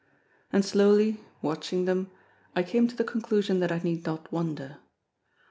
And slowly, watching them, I came to the conclusion that I need not wonder.